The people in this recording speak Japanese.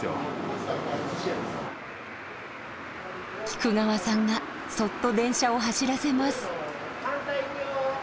菊川さんがそっと電車を走らせます。